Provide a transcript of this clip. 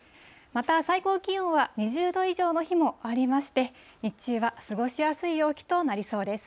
また、最高気温は２０度以上の日もありまして、日中は過ごしやすい陽気となりそうです。